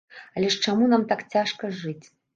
Але ж чаму нам так цяжка жыць?